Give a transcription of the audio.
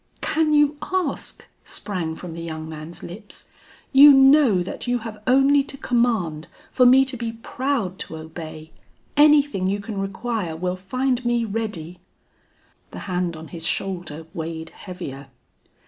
"Can you ask?" sprang from the young man's lips; "you know that you have only to command for me to be proud to obey. Anything you can require will find me ready." The hand on his shoulder weighed heavier.